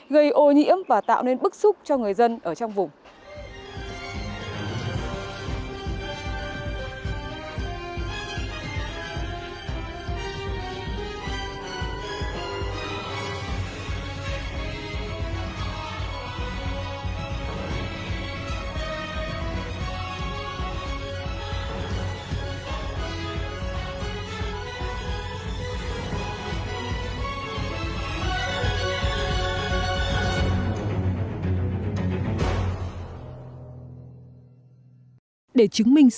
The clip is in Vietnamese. gây ô nhiễm và tạo nên bức xúc cho người dân ở trong vùng